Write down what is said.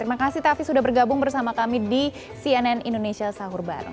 terima kasih taffi sudah bergabung bersama kami di cnn indonesia sahur bareng